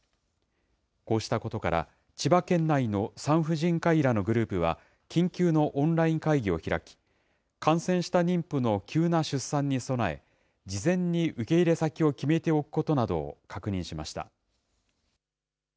こうしたことから、千葉県内の産婦人科医らのグループは緊急のオンライン会議を開き、感染した妊婦の急な出産に備え、事前に受け入れ先を決めておくことなどを確認しました。